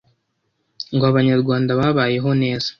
ngo Abanyarwanda babayeho neza